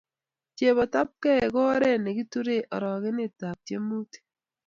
Chopetapkei ko oret ne kiturei orokenetap tiemutik